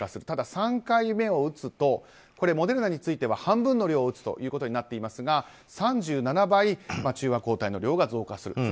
ただ３回目を打つとモデルナについては半分の量を打つということになっていますが３７倍、中和抗体の量が増加する。